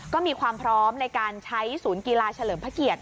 ก็มีความพร้อมในการใช้ศูนย์กีฬาเฉลิมพระเกียรติ